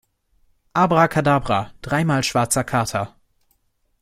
Abrakadabra, dreimal schwarzer Kater!